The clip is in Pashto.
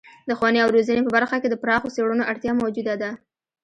د ښوونې او روزنې په برخه کې د پراخو څیړنو اړتیا موجوده ده.